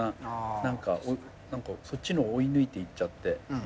何かそっちの追い抜いていっちゃって。